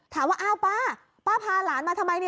ถามว่าอ้าวป้าป้าพาหลานมาทำไม